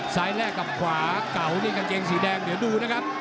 แรกกับขวาเก่านี่กางเกงสีแดงเดี๋ยวดูนะครับ